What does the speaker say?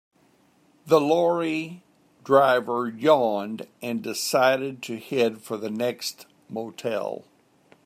The lorry driver yawned and decided to head for the next motel.